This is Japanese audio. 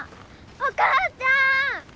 お母ちゃん！